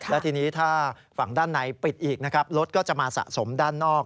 และทีนี้ถ้าฝั่งด้านในปิดอีกนะครับรถก็จะมาสะสมด้านนอก